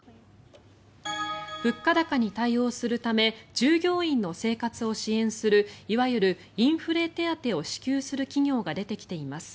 物価高に対応するため従業員の生活を支援するいわゆるインフレ手当を支給する企業が出てきています。